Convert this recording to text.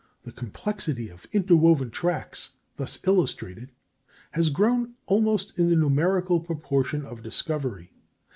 The complexity of interwoven tracks thus illustrated has grown almost in the numerical proportion of discovery.